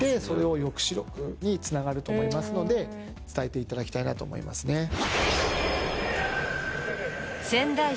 それを抑止力につながると思いますので伝えていただきたいなと思いますね。